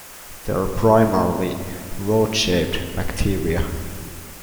They are primarily rod-shaped bacteria.